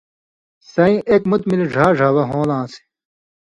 سَئیں اک مُت مِل ڙھا ڙھاوہ ہُونٚل آنٚسے